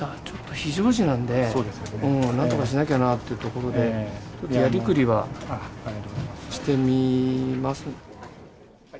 ちょっと非常時なので、なんとかしなきゃなってところで、やりくりはしてみます。